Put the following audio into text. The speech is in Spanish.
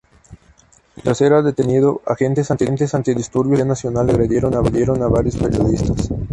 Mientras era detenido, agentes antidisturbios de la policía nacional agredieron a varios periodistas.